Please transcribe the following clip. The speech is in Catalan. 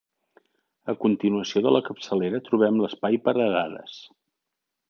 A continuació de la capçalera trobem l'espai per a dades.